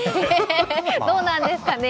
どうなんですかね。